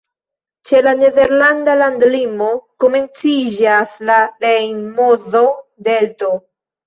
Ĉe la nederlanda landlimo komenciĝas la Rejn-Mozo-Delto.